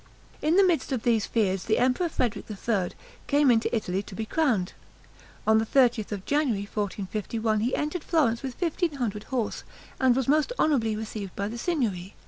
In the midst of these fears, the emperor, Frederick III., came into Italy to be crowned. On the thirtieth of January, 1451, he entered Florence with fifteen hundred horse, and was most honorably received by the Signory.